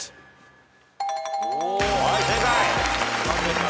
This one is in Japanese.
はい正解。